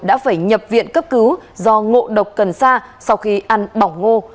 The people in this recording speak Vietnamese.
đã phải nhập viện cấp cứu do ngộ độc cần sa sau khi ăn bỏng ngô